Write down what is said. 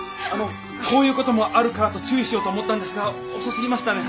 こういう事もあるからと注意しようと思ったんですが遅すぎましたね！